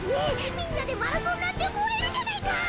みんなでマラソンなんてもえるじゃないか！